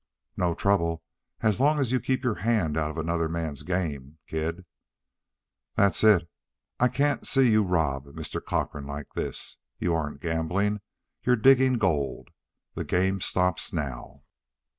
"No trouble as long as you keep your hand out of another man's game, kid." "That's it. I can't see you rob Mr. Cochrane like this. You aren't gambling you're digging gold. The game stops now."